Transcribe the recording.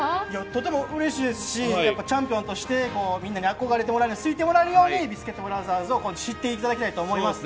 とてもうれしいですしチャンピオンとしてみんなに憧れられ、好いてもらえるようにビスケットブラザーズを知っていただきたいと思います。